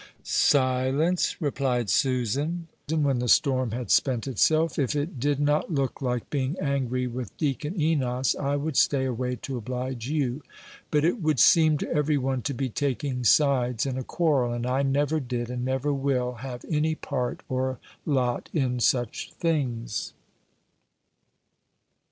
"Silence," replied Susan, when the storm had spent itself, "if it did not look like being angry with Deacon Enos, I would stay away to oblige you; but it would seem to every one to be taking sides in a quarrel, and I never did, and never will, have any part or lot in such things."